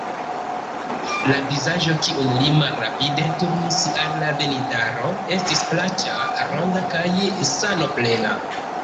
La vizaĝo, kiun li malrapide turnis al la venintaro, estis plaĉa, ronda kaj sanoplena.